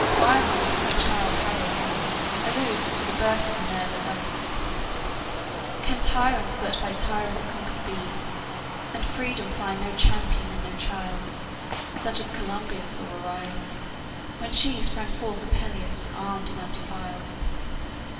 Byron, in "Childe Harold," alludes to the birth of Minerva thus: "Can tyrants but by tyrants conquered be, And Freedom find no champion and no child, Such as Columbia saw arise, when she Sprang forth a Pallas, armed and undefiled?